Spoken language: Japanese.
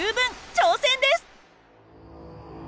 挑戦です！